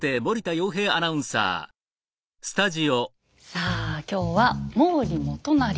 さあ今日は毛利元就。